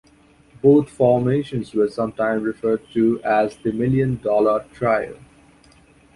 Both formations were sometimes referred to as the "Million Dollar Trio".